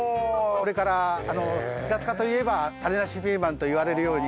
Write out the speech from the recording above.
これから平塚といえば種なしピーマンといわれるように。